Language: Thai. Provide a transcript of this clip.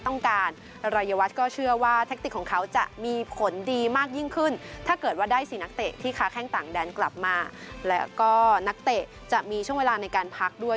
แหล่งต่างแดนกลับมาและก็นักเตะจะมีช่วงเวลาในการพักด้วย